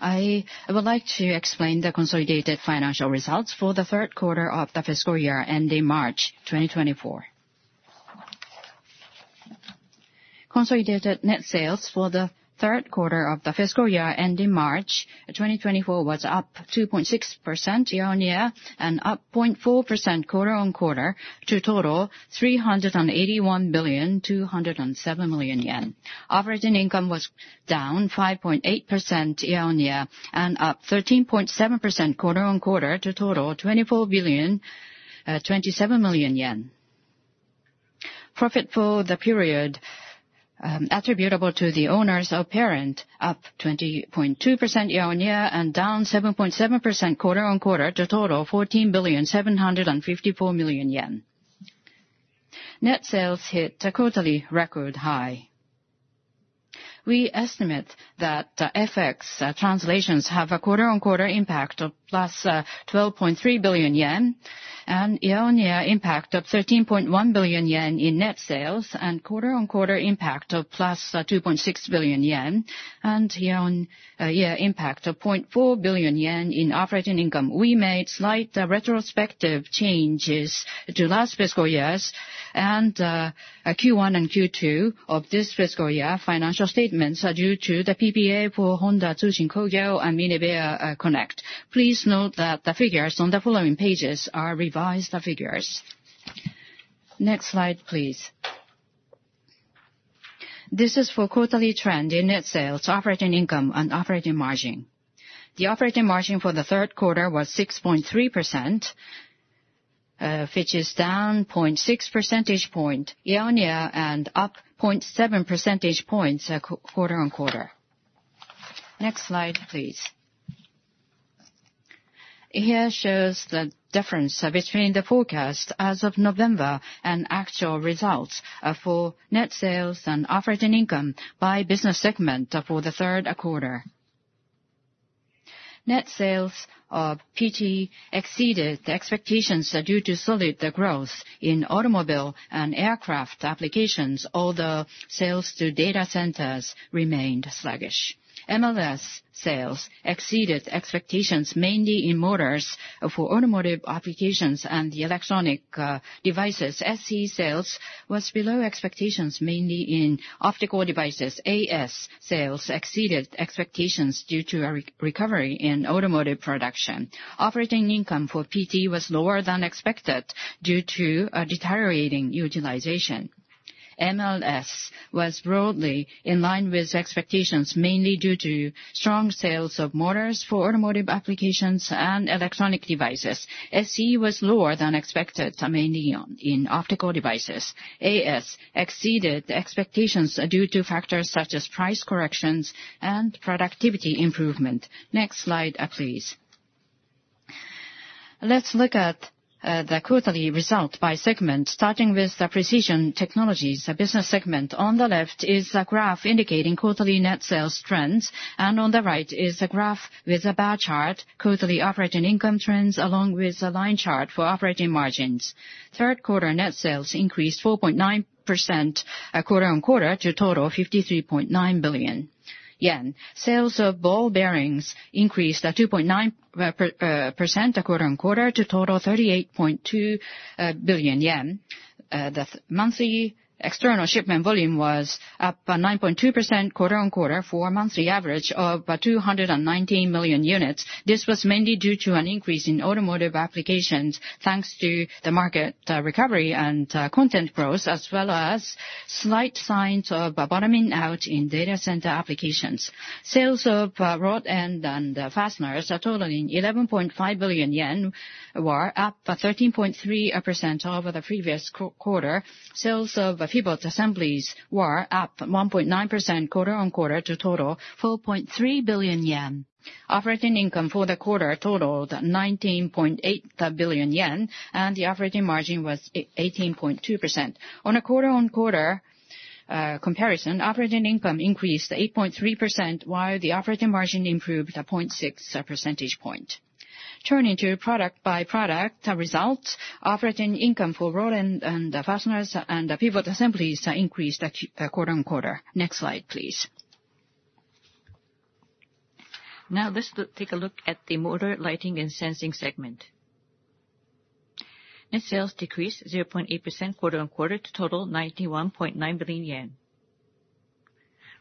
I would like to explain the consolidated financial results for the third quarter of the fiscal year ending March 2024. Consolidated net sales for the third quarter of the fiscal year ending March 2024 was up 2.6% year-on-year and up 0.4% quarter-on-quarter to total 381,207,000,000 million yen. Operating income was down 5.8% year-on-year and up 13.7% quarter-on-quarter to total 24,027 million yen. Profit for the period, attributable to the owners of parent, up 20.2% year-on-year and down 7.7% quarter-on-quarter to total 14,754 million yen. Net sales hit a quarterly record high. We estimate that the FX translations have a quarter-on-quarter impact of +12.3 billion yen and year-on-year impact of 13.1 billion yen in net sales, and quarter-on-quarter impact of +2.6 billion yen, and year-on-year impact of 0.4 billion yen in operating income. We made slight retrospective changes to last fiscal year's, and Q1 and Q2 of this fiscal year financial statements are due to the PPA for Honda Tsushin Kogyo and Minebea Connect. Please note that the figures on the following pages are revised figures. Next slide, please. This is for quarterly trend in net sales, operating income, and operating margin. The operating margin for the third quarter was 6.3%, which is down 0.6 percentage point year-on-year and up 0.7 percentage points quarter-on-quarter. Next slide, please. Here shows the difference between the forecast as of November and actual results for net sales and operating income by business segment for the third quarter. Net sales of PT exceeded the expectations due to solid growth in automobile and aircraft applications, although sales to data centers remained sluggish. MLS sales exceeded expectations, mainly in motors for automotive applications and the electronic devices. SE sales was below expectations, mainly in optical devices. AS sales exceeded expectations due to a recovery in automotive production. Operating income for PT was lower than expected due to a deteriorating utilization. MLS was broadly in line with expectations, mainly due to strong sales of motors for automotive applications and electronic devices. SE was lower than expected, mainly in optical devices. AS exceeded the expectations due to factors such as price corrections and productivity improvement. Next slide, please. Let's look at the quarterly result by segment, starting with the Precision Technologies business segment. On the left is a graph indicating quarterly net sales trends, and on the right is a graph with a bar chart, quarterly operating income trends, along with a line chart for operating margins. Third quarter net sales increased 4.9% quarter-on-quarter to total 53.9 billion yen. Sales of ball bearings increased at 2.9% quarter-on-quarter to total 38.2 billion yen. The monthly external shipment volume was up by 9.2% quarter-on-quarter for a monthly average of 219 million units. This was mainly due to an increase in automotive applications, thanks to the market recovery and content growth, as well as slight signs of a bottoming out in data center applications. Sales of rod end and fasteners are totaling 11.5 billion yen, were up by 13.3% over the previous quarter. Sales of pivot assemblies were up 1.9% quarter-on-quarter to total 4.3 billion yen. Operating income for the quarter totaled 19.8 billion yen, and the operating margin was 18.2%. On a quarter-on-quarter comparison, operating income increased 8.3%, while the operating margin improved to 0.6 percentage point. Turning to product-by-product results, operating income for rod end and fasteners and the pivot assemblies increased quarter-on-quarter. Next slide, please. Now let's take a look at the Motor, Lighting, and Sensing segment. Net sales decreased 0.8% quarter-on-quarter to total 91.9 billion yen.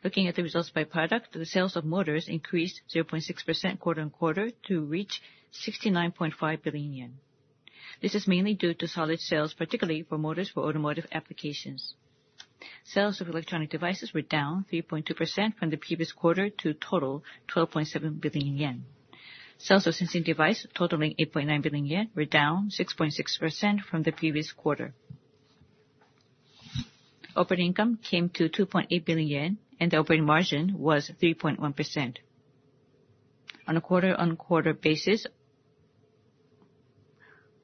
Looking at the results by product, the sales of motors increased 0.6% quarter-on-quarter to reach 69.5 billion yen. This is mainly due to solid sales, particularly for motors for automotive applications. Sales of electronic devices were down 3.2% from the previous quarter to total 12.7 billion yen. Sales of sensing device totaling 8.9 billion yen were down 6.6% from the previous quarter. Operating income came to 2.8 billion yen, and the operating margin was 3.1%. On a quarter-on-quarter basis,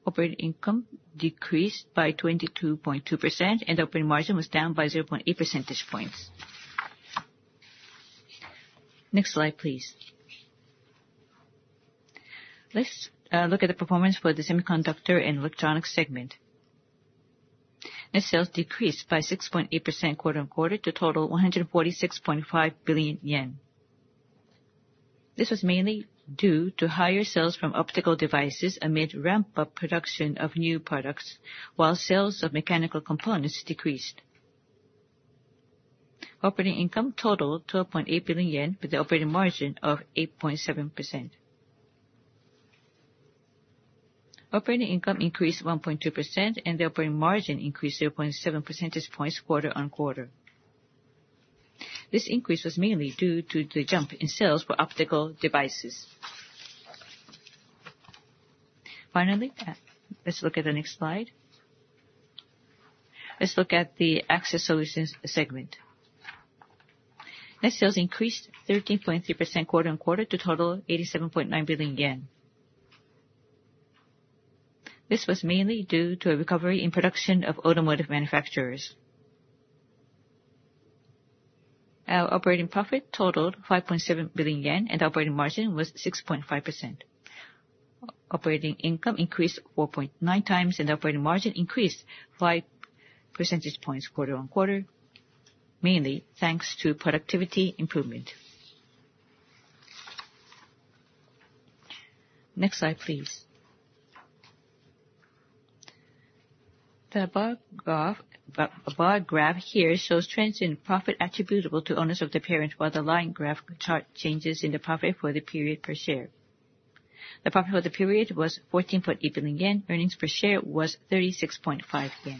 operating income decreased by 22.2%, and operating margin was down by 0.8 percentage points. Next slide, please.... Let's look at the performance for the Semiconductor and Electronics segment. Net sales decreased by 6.8% quarter-on-quarter to total 146.5 billion yen. This was mainly due to higher sales from optical devices amid ramp-up production of new products, while sales of mechanical components decreased. Operating income totaled 12.8 billion yen, with an operating margin of 8.7%. Operating income increased 1.2%, and the operating margin increased 0.7 percentage points quarter-on-quarter. This increase was mainly due to the jump in sales for optical devices. Finally, let's look at the next slide. Let's look at the Access Solutions segment. Net sales increased 13.3% quarter-on-quarter to total JPY 87.9 billion. This was mainly due to a recovery in production of automotive manufacturers. Our operating profit totaled 5.7 billion yen, and operating margin was 6.5%. Operating income increased 4.9 times, and operating margin increased five percentage points quarter-on-quarter, mainly thanks to productivity improvement. Next slide, please. The bar graph here shows trends in profit attributable to owners of the parent, while the line graph chart changes in the profit for the period per share. The profit for the period was 14.8 billion yen, earnings per share was 36.5 yen.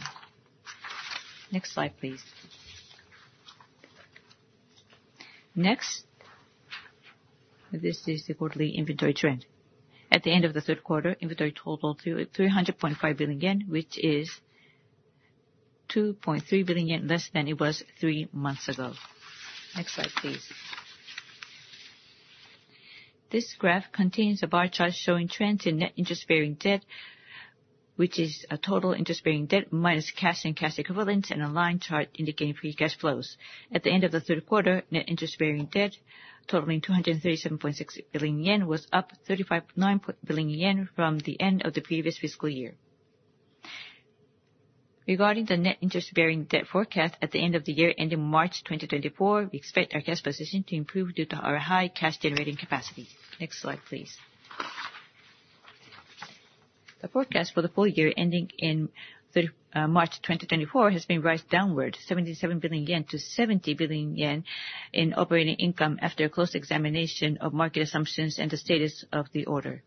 Next slide, please. Next, this is the quarterly inventory trend. At the end of the third quarter, inventory totaled 300.5 billion yen, which is 2.3 billion yen less than it was three months ago. Next slide, please. This graph contains a bar chart showing trends in net interest-bearing debt, which is a total interest-bearing debt minus cash and cash equivalents, and a line chart indicating free cash flows. At the end of the third quarter, net interest-bearing debt, totaling 237.6 billion yen, was up 35.9 billion yen from the end of the previous fiscal year. Regarding the net interest-bearing debt forecast at the end of the year ending March 2024, we expect our cash position to improve due to our high cash-generating capacity. Next slide, please. The forecast for the full year ending in third, March 2024 has been revised downward, 77 billion yen to 70 billion yen in operating income after a close examination of market assumptions and the status of the order.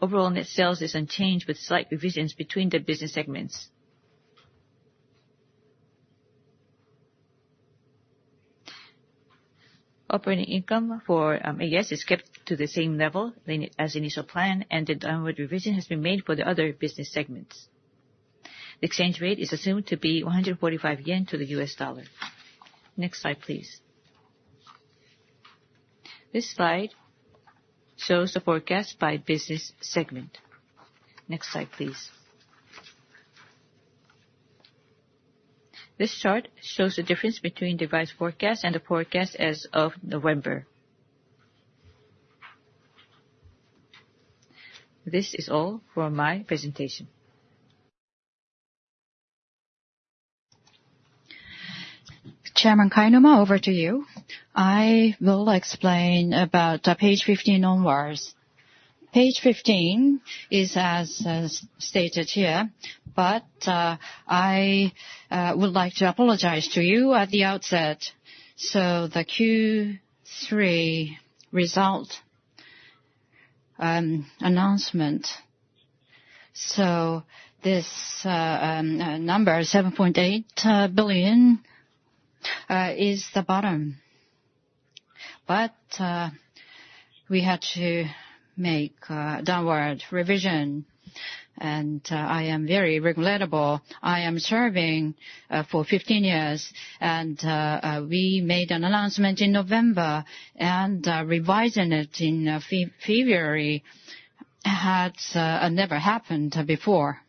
Overall net sales is unchanged, with slight revisions between the business segments. Operating income for AS is kept to the same level as initial plan, and the downward revision has been made for the other business segments. The exchange rate is assumed to be 145 yen to the USD. Next slide, please. This slide shows the forecast by business segment. Next slide, please. This chart shows the difference between the revised forecast and the forecast as of November. This is all for my presentation. Chairman Kainuma, over to you. I will explain about page 15 onwards. Page 15 is as stated here, but I would like to apologize to you at the outset. So, the Q3 result announcement, so this number, 7.8 billion, is the bottom. But we had to make a downward revision, and I am very regrettable. I am serving for 15 years, and we made an announcement in November, and revising it in February had never happened before.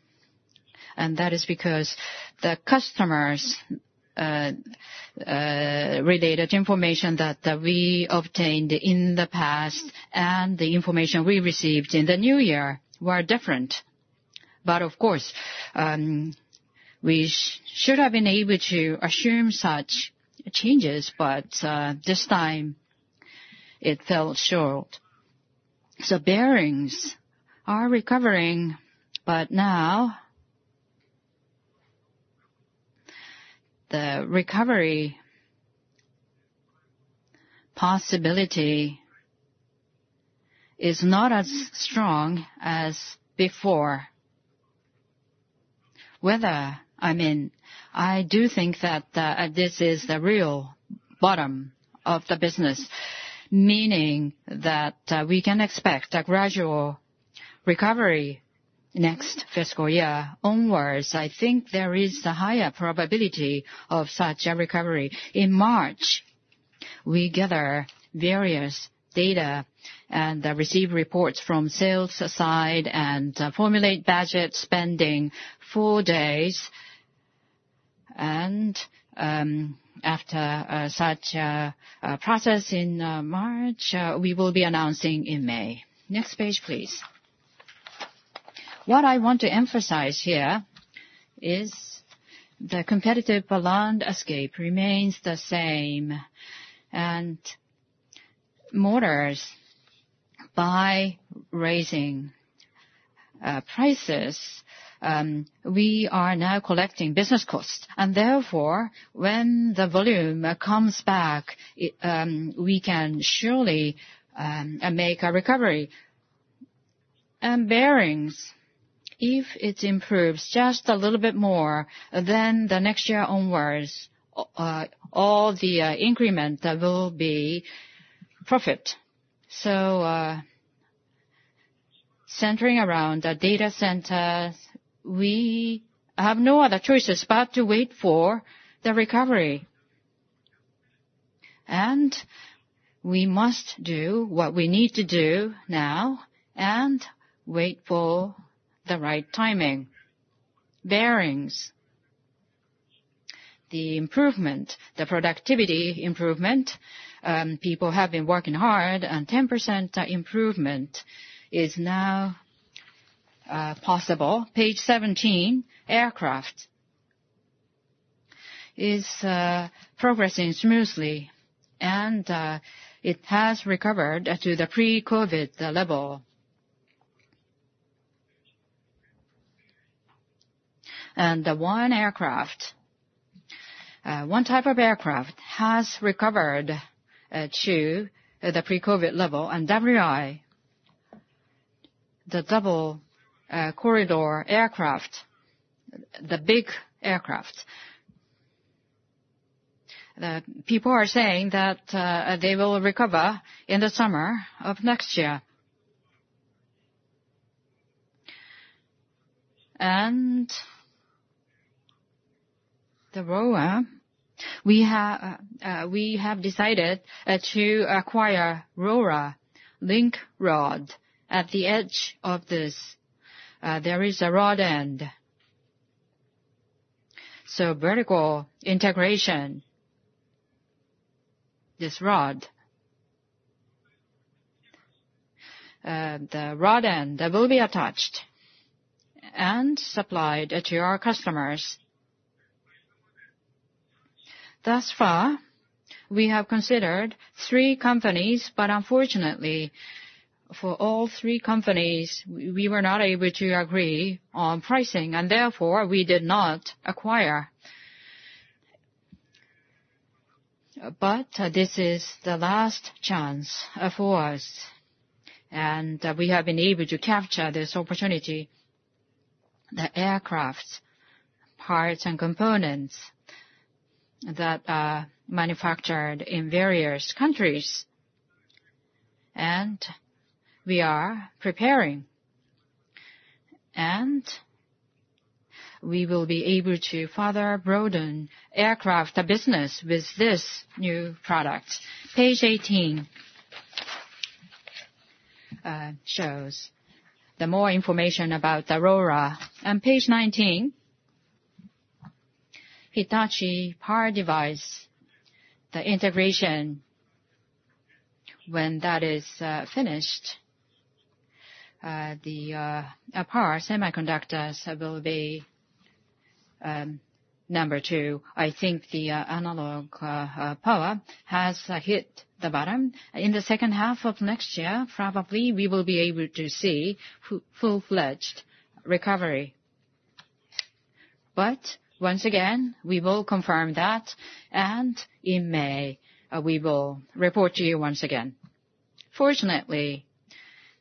And that is because the customers' related information that we obtained in the past and the information we received in the new year were different. But of course, we should have been able to assume such changes, but this time it fell short. So bearings are recovering, but now the recovery possibility is not as strong as before. I mean, I do think that this is the real bottom of the business, meaning that we can expect a gradual recovery next fiscal year onwards. I think there is a higher probability of such a recovery. In March, we gather various data and receive reports from sales side and formulate budget spending four days. And after such a process in March, we will be announcing in May. Next page, please. What I want to emphasize here is the competitive landscape remains the same. And motors, by raising prices, we are now collecting business costs, and therefore, when the volume comes back, it we can surely make a recovery. Bearings, if it improves just a little bit more, then the next year onwards, all the increment, that will be profit. So, centering around the data centers, we have no other choices but to wait for the recovery. We must do what we need to do now, and wait for the right timing. Bearings, the improvement, the productivity improvement, people have been working hard, and 10% improvement is now possible. Page 17, aircraft is progressing smoothly, and it has recovered to the pre-COVID level. The one aircraft, one type of aircraft has recovered to the pre-COVID level, and WI, the double corridor aircraft, the big aircraft, the people are saying that they will recover in the summer of next year. And the RO-RA, we have decided to acquire RO-RA link rod. At the edge of this, there is a rod end. So vertical integration, this rod. The rod end, that will be attached and supplied to our customers. Thus far, we have considered three companies, but unfortunately, for all three companies, we were not able to agree on pricing, and therefore, we did not acquire. But this is the last chance for us, and we have been able to capture this opportunity, the aircraft parts and components that are manufactured in various countries, and we are preparing. And we will be able to further broaden aircraft business with this new product. Page 18 shows the more information about the RO-RA. Page 19, Hitachi Power Device, the integration, when that is finished, the power semiconductors will be number two. I think the analog power has hit the bottom. In the second half of next year, probably, we will be able to see full-fledged recovery. But once again, we will confirm that, and in May, we will report to you once again. Fortunately,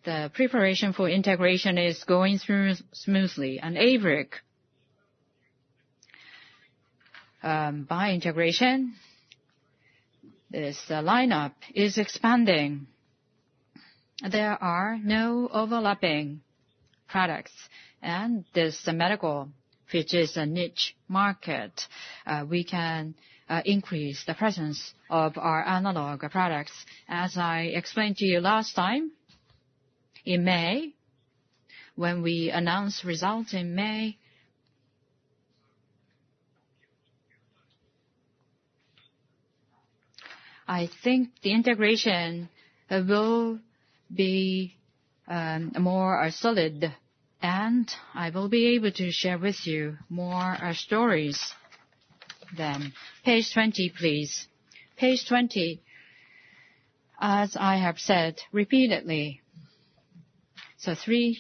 the preparation for integration is going smooth, smoothly. And ABLIC, by integration, this lineup is expanding. There are no overlapping products, and this medical, which is a niche market, we can increase the presence of our analog products. As I explained to you last time, in May, when we announced results in May. I think the integration will be more solid, and I will be able to share with you more stories then. Page 20, please. Page 20, as I have said repeatedly, so 3,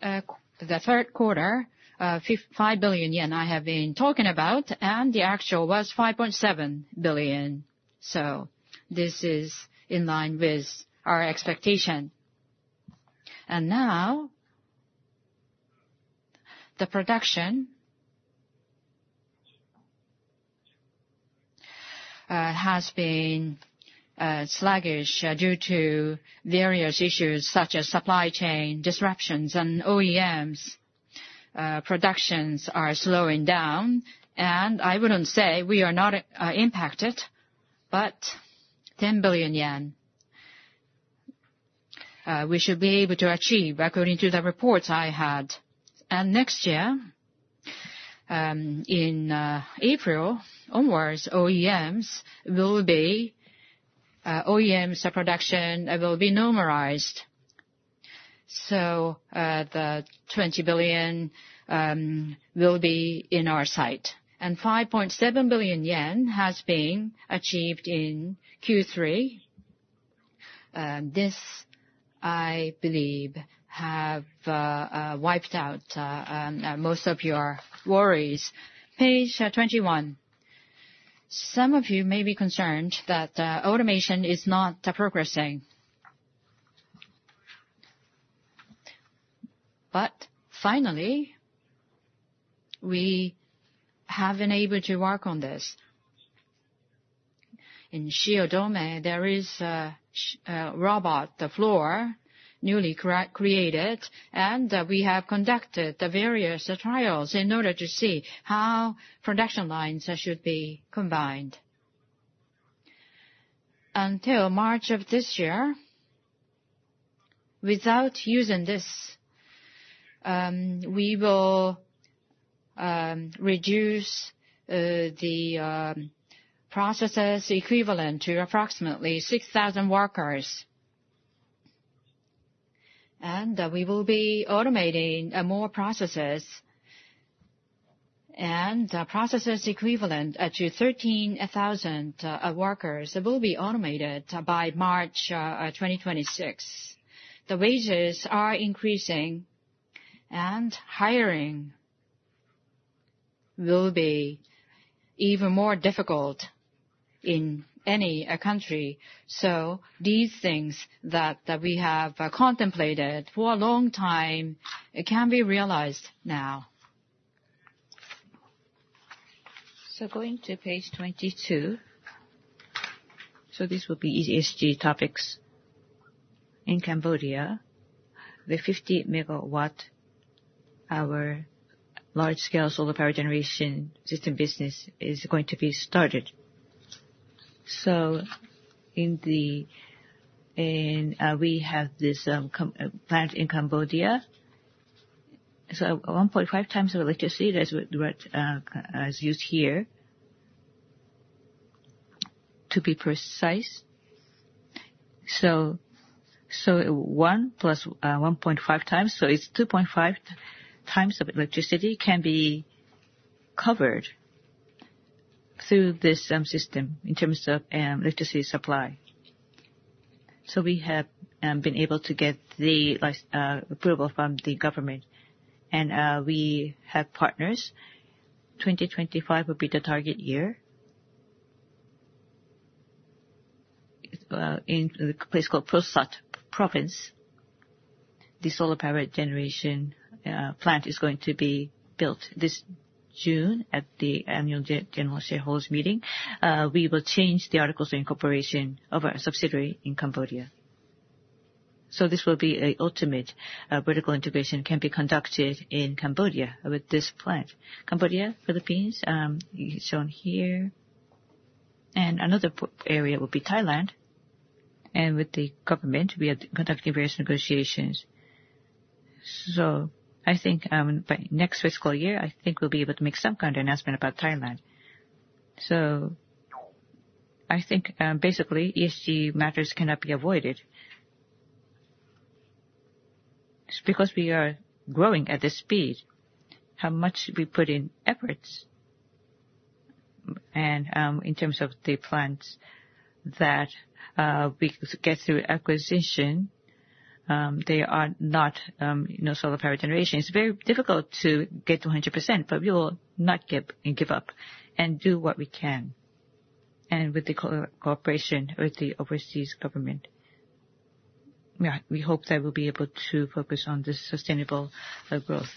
the third quarter, 5 billion yen I have been talking about, and the actual was 5.7 billion. So this is in line with our expectation. And now, the production has been sluggish due to various issues such as supply chain disruptions and OEMs. Productions are slowing down, and I wouldn't say we are not impacted, but 10 billion yen.... we should be able to achieve according to the reports I had. Next year, in April onwards, OEMs production will be normalized. So, the 20 billion will be in our sight, and 5.7 billion yen has been achieved in Q3. This, I believe, have wiped out most of your worries. Page 21. Some of you may be concerned that automation is not progressing. But finally, we have been able to work on this. In Shiodome, there is a robotics floor, newly created, and we have conducted the various trials in order to see how production lines should be combined. Until March of this year, without using this, we will reduce the processes equivalent to approximately 6,000 workers. We will be automating more processes, and the processes equivalent to 13,000 workers will be automated by March 2026. The wages are increasing, and hiring will be even more difficult in any country. These things that we have contemplated for a long time, it can be realized now. Going to page 22. This will be ESG topics. In Cambodia, the 50-megawatt large-scale solar power generation system business is going to be started. In the company plant in Cambodia. 1.5 times of electricity that's what is used here. To be precise, one plus 1.5 times, so it's 2.5 times of electricity can be covered through this system in terms of electricity supply. So we have been able to get the approval from the government, and we have partners. 2025 will be the target year. In the place called Pursat Province, the solar power generation plant is going to be built this June at the annual general shareholders meeting. We will change the articles of incorporation of our subsidiary in Cambodia. So this will be a ultimate vertical integration can be conducted in Cambodia with this plant. Cambodia, Philippines, shown here. And another area will be Thailand, and with the government, we are conducting various negotiations. So I think by next fiscal year, I think we'll be able to make some kind of announcement about Thailand. So I think basically, ESG matters cannot be avoided. It's because we are growing at this speed, how much should we put in efforts? In terms of the plants that we get through acquisition, they are not, you know, solar power generation. It's very difficult to get to a hundred percent, but we will not give up, and do what we can. With the cooperation with the overseas government, yeah, we hope that we'll be able to focus on this sustainable growth.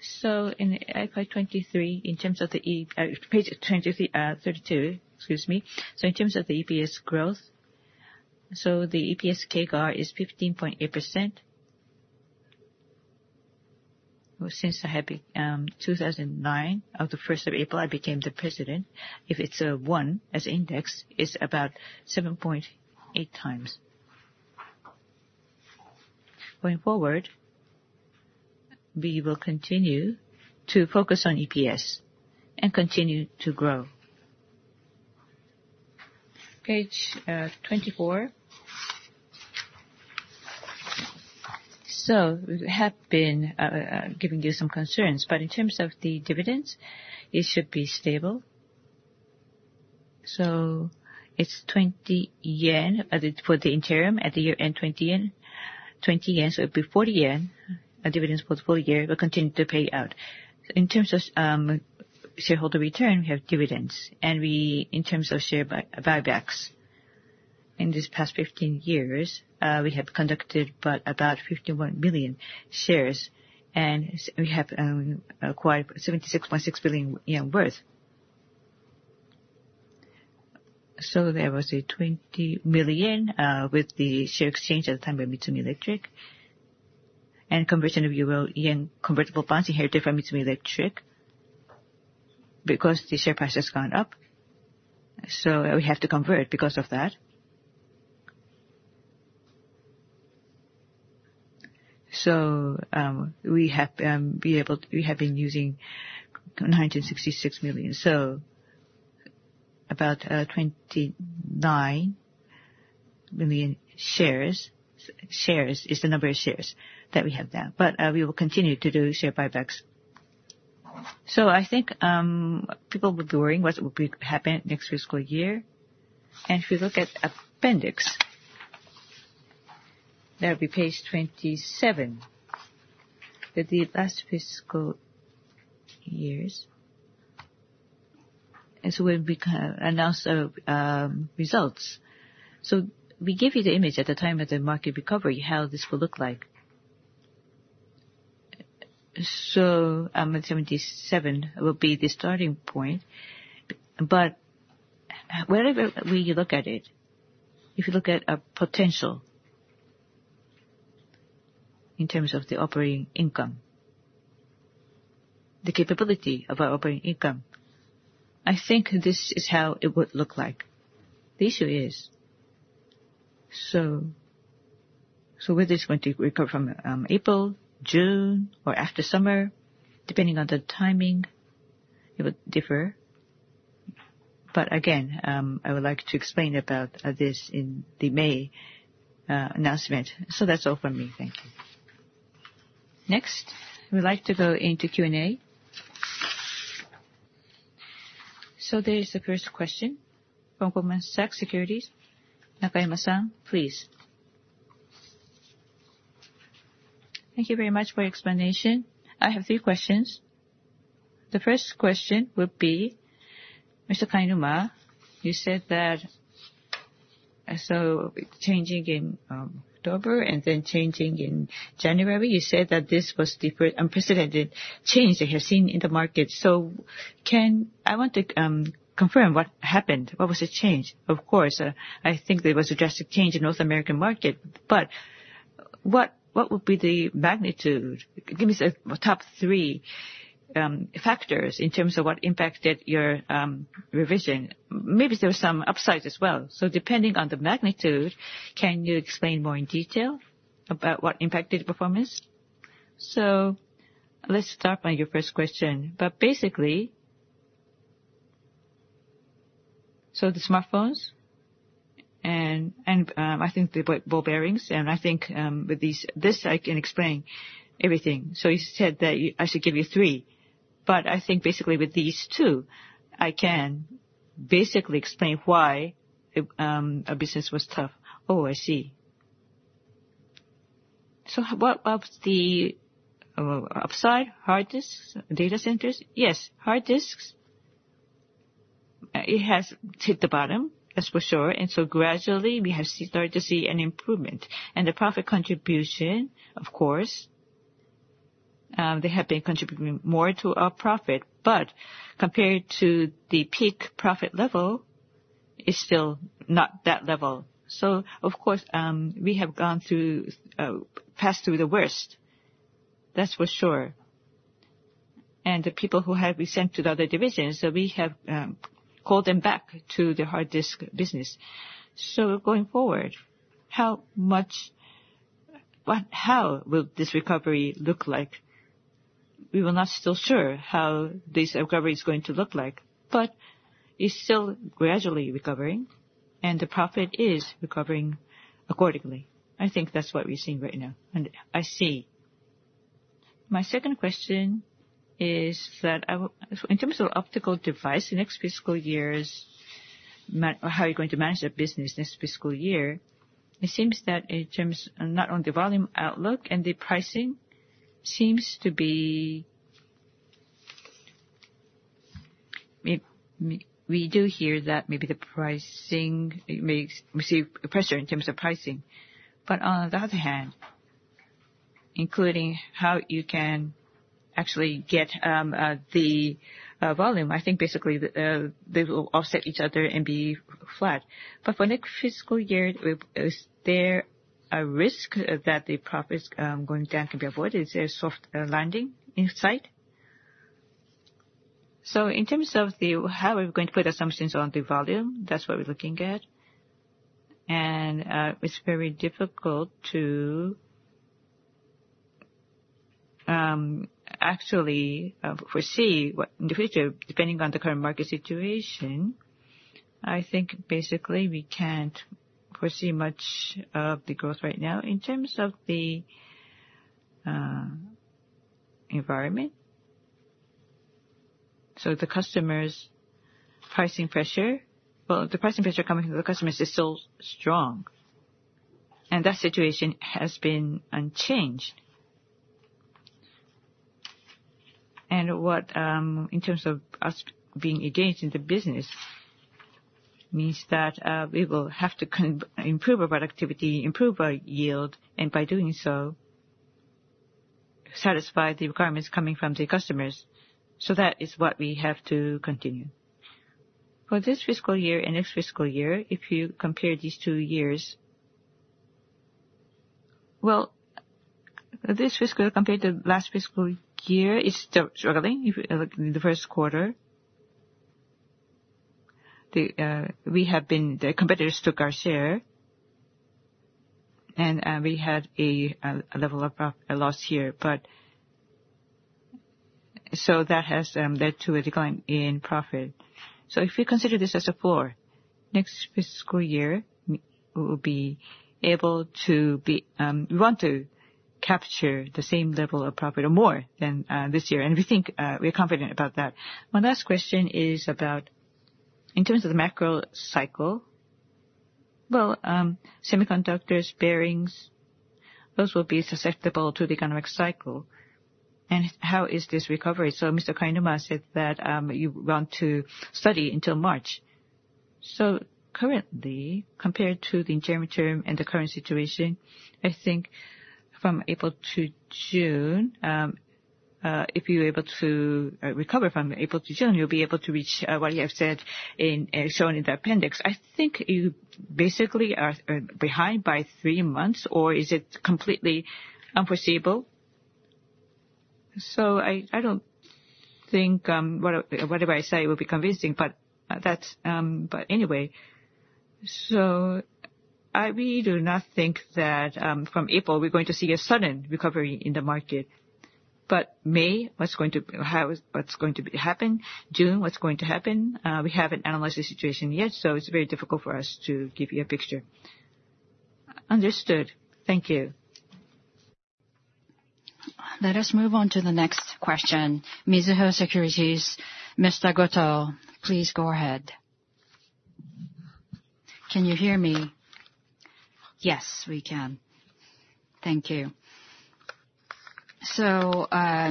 So in FY 2023, in terms of the. Page 23, 32, excuse me. So in terms of the EPS growth, so the EPS CAGR is 15.8%. Well, since 2009, on April 1, I became the president. If it's one, as index, it's about 7.8 times. Going forward, we will continue to focus on EPS and continue to grow. Page 24. So we have been giving you some concerns, but in terms of the dividends, it should be stable. So it's 20 yen for the interim. At the year-end, 20 yen. 20 yen, so it'll be 40 yen dividends for the full year will continue to pay out. In terms of shareholder return, we have dividends. And we, in terms of share buybacks, in this past 15 years, we have conducted about 51 million shares, and we have acquired 76.6 billion yen worth. So there was a 20 million with the share exchange at the time of Mitsumi Electric, and conversion of Euro-yen convertible bonds inherited from Mitsumi Electric.... because the share price has gone up, so we have to convert because of that. So, we have been using 9.66 million, so about 29 million shares. Shares is the number of shares that we have now, but we will continue to do share buybacks. So, I think people were worrying what will be happen next fiscal year. And if you look at appendix, that would be page 27, with the last fiscal years, as we announce our results. So we give you the image at the time of the market recovery, how this will look like. So at 77 will be the starting point, but wherever we look at it, if you look at a potential in terms of the operating income, the capability of our operating income, I think this is how it would look like. The issue is, so whether it's going to recover from April, June, or after summer, depending on the timing, it would differ. But again, I would like to explain about this in the May announcement. So that's all from me. Thank you. Next, we'd like to go into Q&A. So, there is the first question from Goldman Sachs Securities, Nakayama-san, please. Thank you very much for your explanation. I have three questions. The first question would be, Mr. Kainuma, you said that... So changing in October, and then changing in January, you said that this was different, unprecedented change that you have seen in the market. So can I want to confirm what happened. What was the change? Of course, I think there was a drastic change in North American market, but what would be the magnitude? Give me the top three factors in terms of what impacted your revision. Maybe there was some upside as well. Depending on the magnitude, can you explain more in detail about what impacted performance? Let's start with your first question. But basically, the smartphones and I think the ball bearings, and I think with these this I can explain everything. You said that you I should give you three, but I think basically with these two I can basically explain why our business was tough. Oh, I see. What about the upside, hard disks, data centers? Yes, hard disks, it has hit the bottom, that's for sure, and so gradually, we have start to see an improvement. The profit contribution, of course, they have been contributing more to our profit, but compared to the peak profit level, it's still not that level. So of course, we have gone through, passed through the worst, that's for sure. And the people who have been sent to the other divisions, so we have, called them back to the hard disk business. So going forward, what, how will this recovery look like? We were not still sure how this recovery is going to look like, but it's still gradually recovering, and the profit is recovering accordingly. I think that's what we're seeing right now. I see. My second question is that in terms of optical device, next fiscal year's, how are you going to manage that business next fiscal year? It seems that in terms, not on the volume outlook and the pricing, seems to be. We, we do hear that maybe the pricing, it may receive pressure in terms of pricing. But on the other hand, including how you can actually get the volume, I think basically, they will offset each other and be flat. But for next fiscal year, is there a risk that the profits going down can be avoided? Is there a soft landing in sight? So, in terms of how we're going to put assumptions on the volume, that's what we're looking at. And it's very difficult to actually foresee what in the future, depending on the current market situation, I think basically we can't foresee much of the growth right now in terms of the environment. So the customer's pricing pressure, well, the pricing pressure coming from the customers is still strong, and that situation has been unchanged. And what, in terms of us being engaged in the business, means that, we will have to improve our productivity, improve our yield, and by doing so, satisfy the requirements coming from the customers. So that is what we have to continue. For this fiscal year and next fiscal year, if you compare these two years. Well, this fiscal compared to last fiscal year is still struggling. If you look in the first quarter, the competitors took our share, and, we had a loss here. But, so that has led to a decline in profit. So, if you consider this as a floor, next fiscal year, we will be able to be, we want to capture the same level of profit or more than, this year, and we think, we're confident about that. My last question is about in terms of the macro cycle, well, semiconductors, bearings, those will be susceptible to the economic cycle, and how is this recovery? So, Mr. Kainuma said that, you want to study until March. So currently, compared to the January term and the current situation, I think from April to June, if you're able to, recover from April to June, you'll be able to reach, what you have said in, shown in the appendix. I think you basically are behind by three months, or is it completely unforeseeable? So, I don't think whatever I say will be convincing, but that's. But anyway, so I really do not think that, from April, we're going to see a sudden recovery in the market. But May, what's going to happen, what's going to be happen, June, what's going to happen, we haven't analyzed the situation yet, so it's very difficult for us to give you a picture. Understood. Thank you. Let us move on to the next question. Mizuho Securities, Mr. Goto, please go ahead. Can you hear me? Yes, we can. Thank you. So,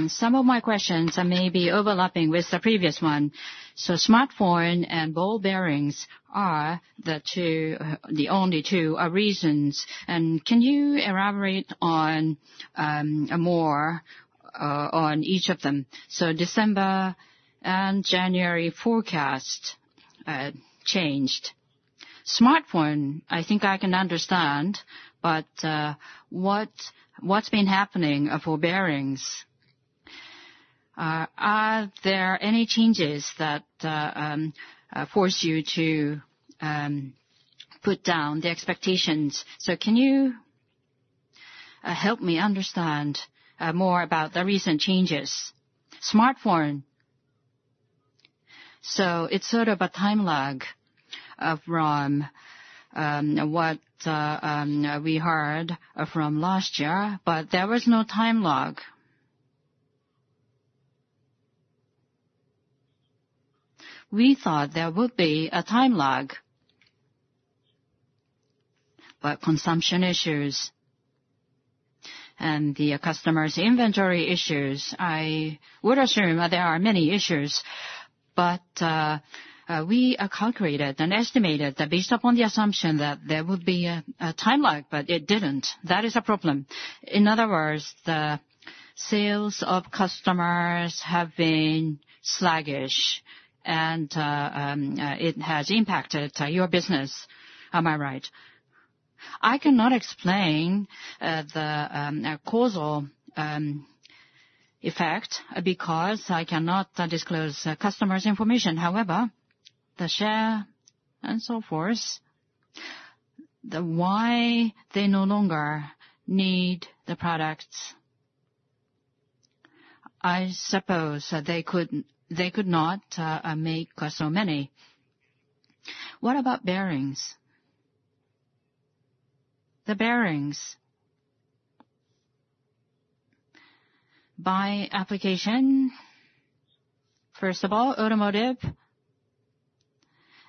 some of my questions are maybe overlapping with the previous one. So, smartphone and ball bearings are the two, the only two, reasons. And can you elaborate on, more, on each of them? So, December and January forecast, changed. Smartphone, I think I can understand, but, what, what's been happening for bearings? Are there any changes that, force you to, put down the expectations? So can you, help me understand, more about the recent changes? Smartphone, so it's sort of a time lag of from, what, we heard from last year, but there was no time lag. We thought there would be a time lag, but consumption issues and the customers' inventory issues. I would assume there are many issues. But we calculated and estimated that based upon the assumption that there would be a time lag, but it didn't. That is a problem. In other words, the sales of customers have been sluggish, and it has impacted your business. Am I right? I cannot explain the causal effect, because I cannot disclose customers' information. However, the share and so forth, the why they no longer need the products, I suppose they could, they could not make so many. What about bearings? The bearings. By application, first of all, automotive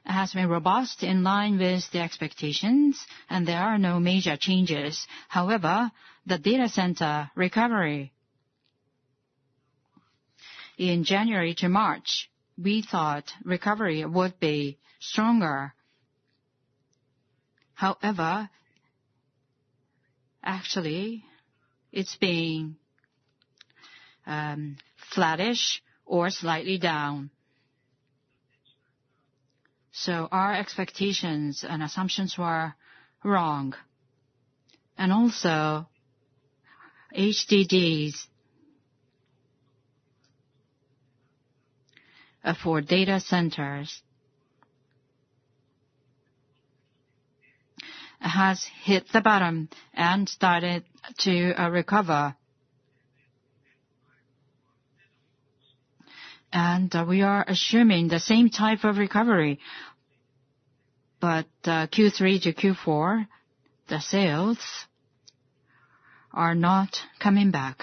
has been robust, in line with the expectations, and there are no major changes. However, the data center recovery in January to March, we thought recovery would be stronger. However, actually, it's been flattish or slightly down. So our expectations and assumptions were wrong. And also, HDDs for data centers has hit the bottom and started to recover. And we are assuming the same type of recovery, but Q3 to Q4, the sales are not coming back.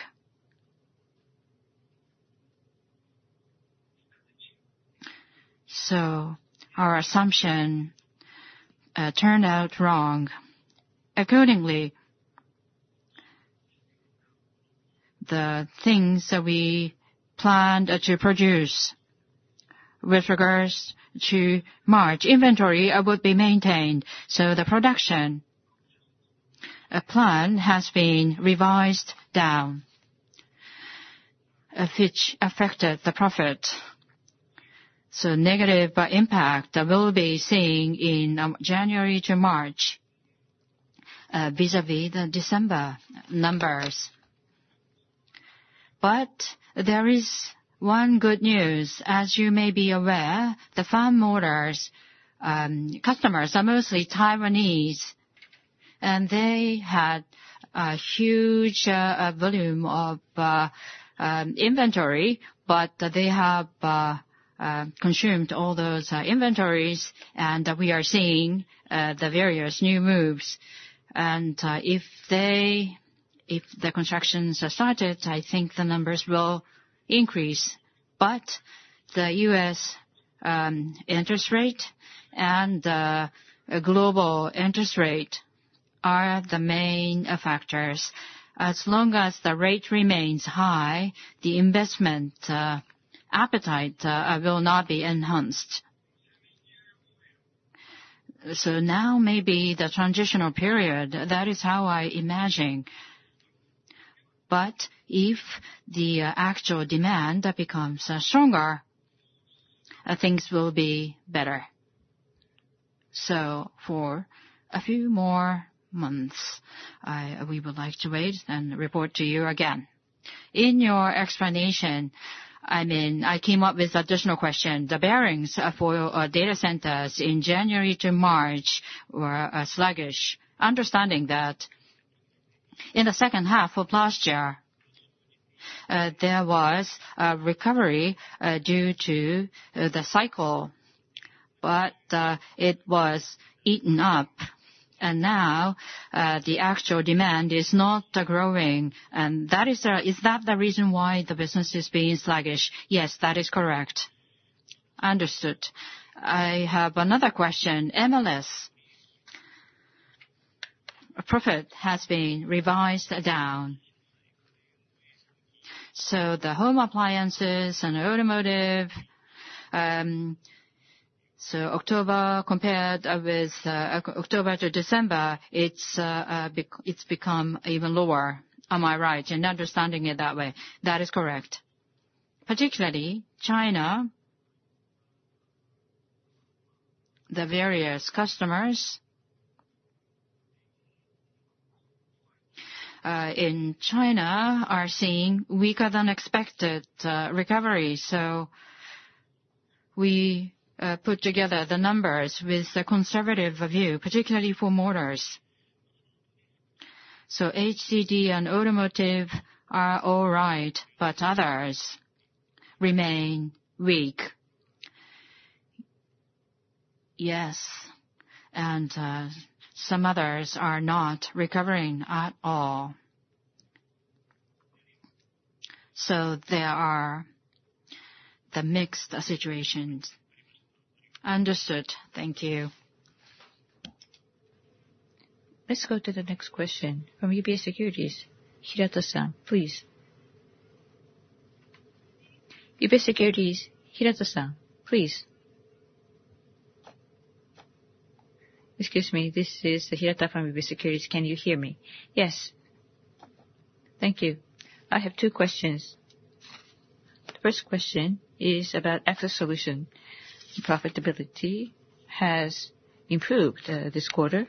So our assumption turned out wrong. Accordingly, the things that we planned to produce with regards to March inventory would be maintained, so the production plan has been revised down.... which affected the profit. So negative impact we'll be seeing in January to March vis-a-vis the December numbers. But there is one good news. As you may be aware, the farm motors customers are mostly Taiwanese, and they had a huge volume of inventory, but they have consumed all those inventories, and we are seeing the various new moves. And if the constructions are started, I think the numbers will increase. But the US interest rate and global interest rate are the main factors. As long as the rate remains high, the investment appetite will not be enhanced. So now may be the transitional period, that is how I imagine. But if the actual demand becomes stronger, things will be better. So for a few more months, we would like to wait and report to you again. In your explanation, I mean, I came up with additional question. The bearings for our data centers in January to March were sluggish. Understanding that in the second half of last year, there was a recovery due to the cycle, but it was eaten up, and now the actual demand is not growing. And that is the—Is that the reason why the business is being sluggish? Yes, that is correct. Understood. I have another question. MLS, profit has been revised down. So the home appliances and automotive, so October, compared with, October to December, it's become even lower. Am I right in understanding it that way? That is correct. Particularly China, the various customers in China are seeing weaker than expected recovery. So we put together the numbers with a conservative view, particularly for motors. HCD and automotive are all right, but others remain weak? Yes, and, some others are not recovering at all. So there are the mixed situations. Understood. Thank you. Let's go to the next question from UBS Securities, Hirata-san, please. UBS Securities, Hirata-san, please. Excuse me, this is Hirata from UBS Securities. Can you hear me? Yes. Thank you. I have two questions. The first question is about Access Solutions. Profitability has improved this quarter.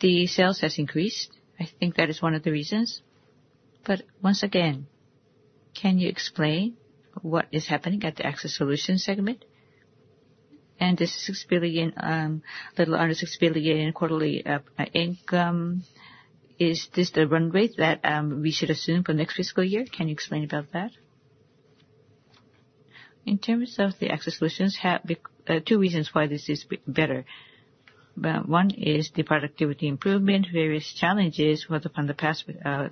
The sales has increased, I think that is one of the reasons. But once again, can you explain what is happening at the Access Solutions segment? And this 6 billion, a little under 6 billion quarterly income, is this the run rate that we should assume for next fiscal year? Can you explain about that? In terms of the Access Solutions, there have been two reasons why this is better. Well, one is the productivity improvement. Various challenges were upon the past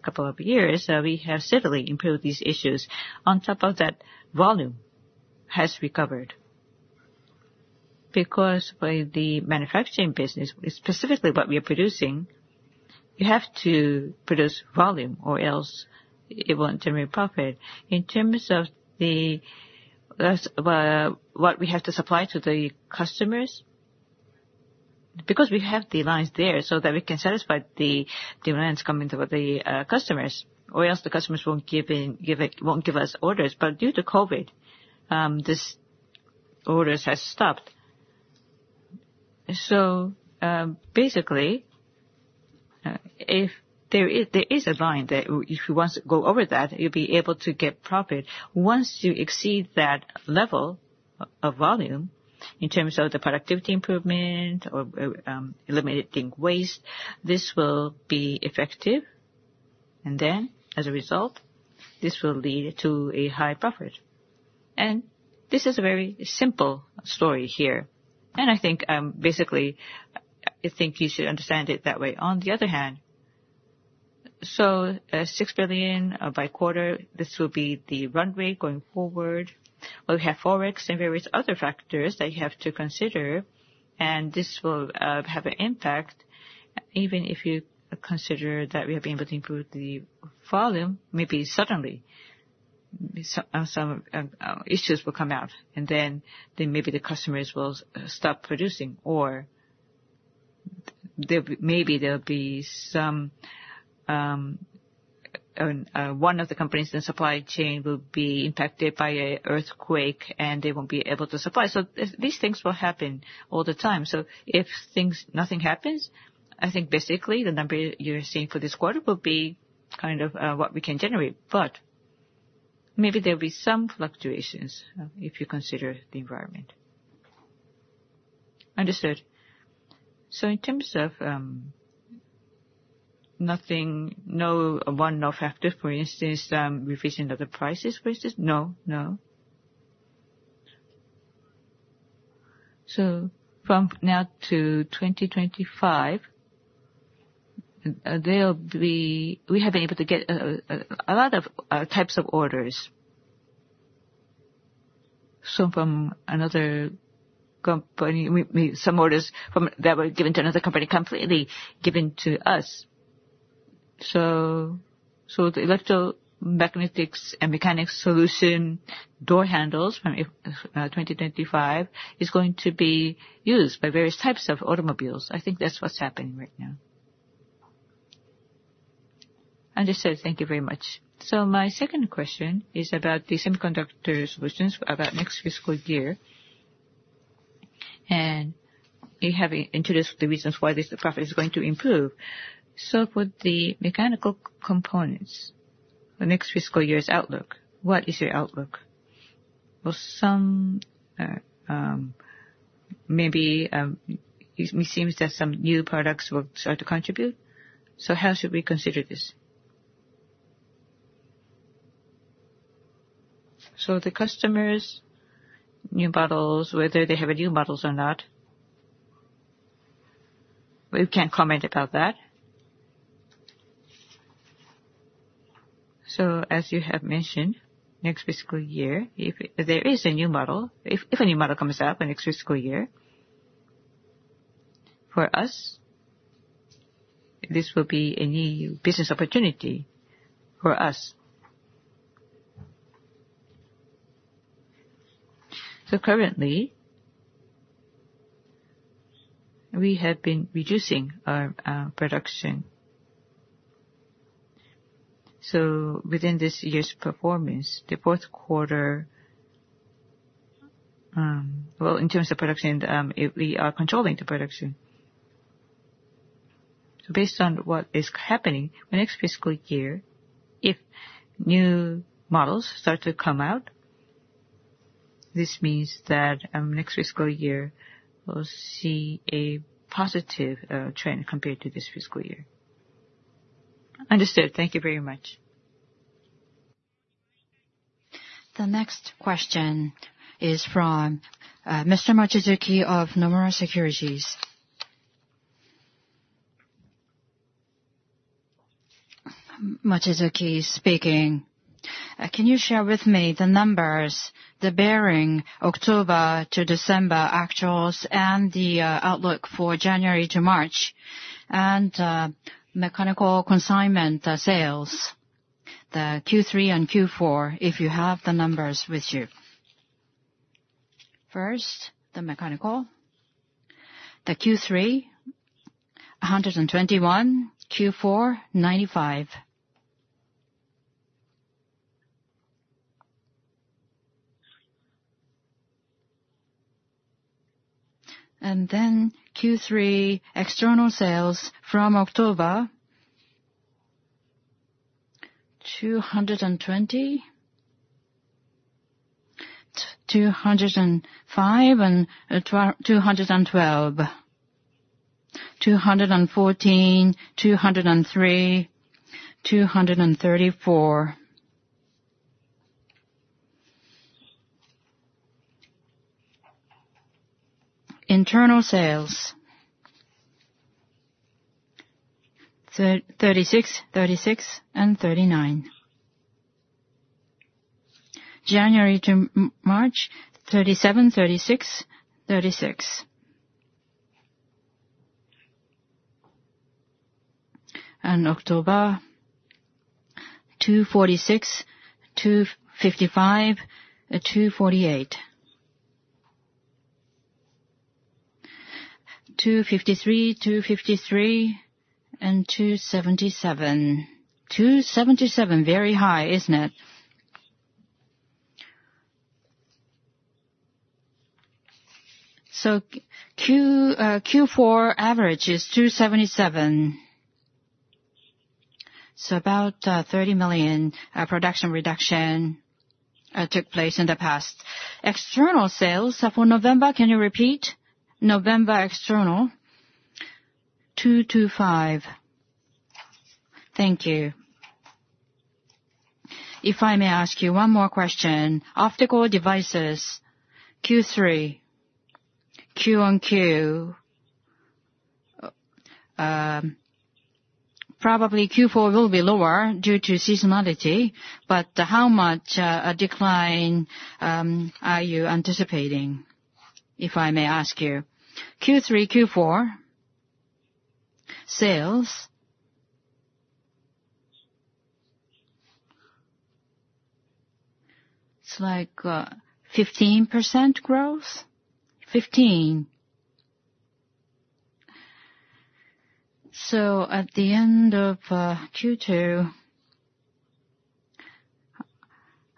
couple of years, so we have severely improved these issues. On top of that, volume has recovered, because by the manufacturing business, specifically what we are producing, you have to produce volume, or else it won't generate profit. In terms of the what we have to supply to the customers, because we have the lines there, so that we can satisfy the demands coming from the customers, or else the customers won't give in, give it-- won't give us orders. But due to COVID, this order has stopped. So, basically, if there is a line that if you want to go over that, you'll be able to get profit. Once you exceed that level of volume, in terms of the productivity improvement or, eliminating waste, this will be effective. And then, as a result, this will lead to a high profit. This is a very simple story here, and I think, basically, I think you should understand it that way. On the other hand, 6 billion by quarter, this will be the runway going forward. We have Forex and various other factors that you have to consider, and this will have an impact, even if you consider that we have been able to improve the volume, maybe suddenly, some issues will come out, and then, then maybe the customers will stop producing or there, maybe there'll be some, one of the companies in the supply chain will be impacted by an earthquake, and they won't be able to supply. So, these things will happen all the time. So, if nothing happens, I think basically the number you're seeing for this quarter will be kind of, what we can generate. But maybe there'll be some fluctuations, if you consider the environment. Understood. So, in terms of, nothing, no one-off factor, for instance, revision of the prices, for instance? No, no. So, from now to 2025, there'll be we have been able to get a lot of types of orders. Some from another company, some orders from, that were given to another company, completely given to us. So, so the electromagnetics and mechanics solution door handles from 2025, is going to be used by various types of automobiles. I think that's what's happening right now. Understood. Thank you very much. So, my second question is about the semiconductor solutions about next fiscal year. You have introduced the reasons why this profit is going to improve. So for the mechanical components, the next fiscal year's outlook, what is your outlook? Well, some, maybe, it seems that some new products will start to contribute. So how should we consider this? So, the customers' new models, whether they have new models or not, we can't comment about that. So, as you have mentioned, next fiscal year, if there is a new model, if a new model comes up in next fiscal year, for us, this will be a new business opportunity for us. So currently, we have been reducing our production. So, within this year's performance, the fourth quarter, well, in terms of production, we are controlling the production. Based on what is happening, the next fiscal year, if new models start to come out, this means that, next fiscal year will see a positive trend compared to this fiscal year. Understood. Thank you very much. The next question is from Mr. Mochizuki of Nomura Securities. Mochizuki speaking. Can you share with me the numbers, the bearing October to December actuals and the outlook for January to March, and mechanical consignment sales, the Q3 and Q4, if you have the numbers with you? First, the mechanical. The Q3, 121, Q4, 95. Then Q3 external sales from October, JPY 220, 205, and 212. 214, 203, 234. Internal sales, 36, 36, and 39. January to March, 37, 36, 36. And October, 246, 255, 248. 253, 253, and 277. 277, very high, isn't it? Q4 average is 277. About 30 million production reduction took place in the past. External sales for November, can you repeat? November external. 225. Thank you. If I may ask you one more question. Optical devices, Q3, Q on Q, probably Q4 will be lower due to seasonality, but how much a decline are you anticipating, if I may ask you? Q3, Q4 sales-... it's like 15% growth? 15. So at the end of Q2,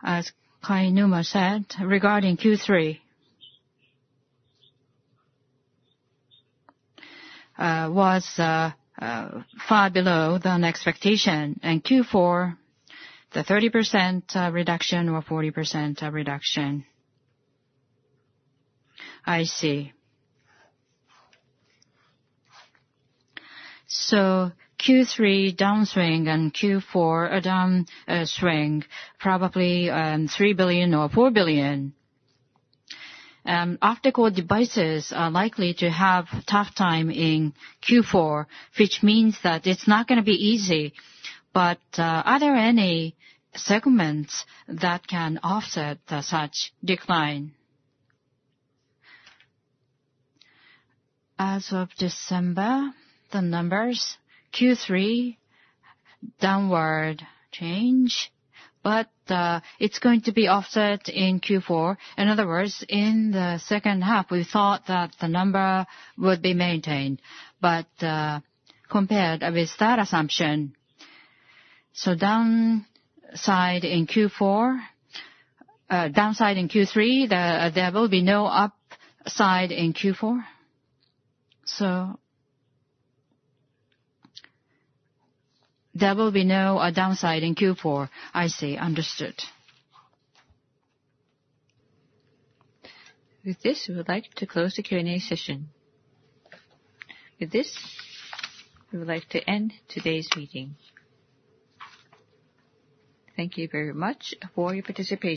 as Kainuma said, regarding Q3 was far below than expectation. And Q4, the 30% reduction or 40% reduction. I see. So Q3 downswing and Q4 a down swing, probably 3 billion or 4 billion. After core devices are likely to have tough time in Q4, which means that it's not gonna be easy, but are there any segments that can offset such decline? As of December, the numbers Q3 downward change, but it's going to be offset in Q4. In other words, in the second half, we thought that the number would be maintained, but compared with that assumption, so downside in Q4- downside in Q3, there will be no upside in Q4? So, there will be no downside in Q4. I see. Understood. With this, we would like to close the Q&A session. With this, we would like to end today's meeting. Thank you very much for your participation.